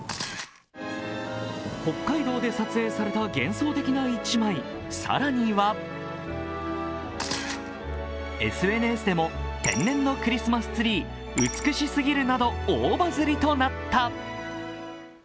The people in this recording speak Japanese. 北海道で撮影された幻想的な一枚、さらにはＳＮＳでも天然のクリスマスツリー、美しすぎるなど大バズりとなった。